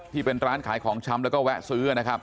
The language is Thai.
ที่เป็นร้านขายของชำแล้วก็แวะซื้อนะครับ